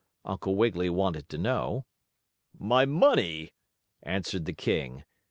Uncle Wiggily wanted to know. "My money," answered the king.